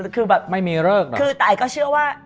คือแบบแต่ไอ้ก็เชื่อว่า